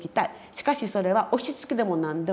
しかしそれは押しつけでも何でもない。